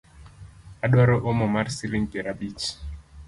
Adwaro omo mar siling’ piero abich